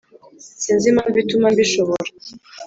sinzi impamvu ituma mbishobora.